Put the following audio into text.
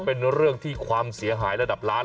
เป็นเรื่องที่ความเสียหายระดับล้าน